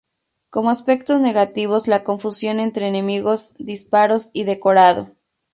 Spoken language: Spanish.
Como aspectos negativos la confusión entre enemigos, disparos y decorado.